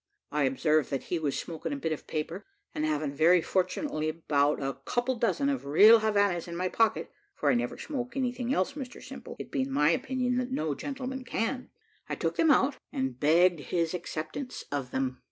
I observed that he was smoking a bit of paper, and having very fortunately about a couple of dozen of real Havannahs in my pocket (for I never smoke anything else, Mr Simple, it being my opinion that no gentleman can), I took them out, and begged his acceptance of them.